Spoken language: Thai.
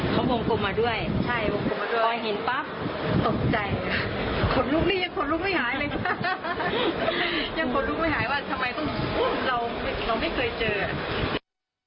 ตกใจขนลุกนี่ยังขนลุกไม่หายเลยยังขนลุกไม่หายว่าทำไมต้องเราเราไม่เคยเจออ่ะ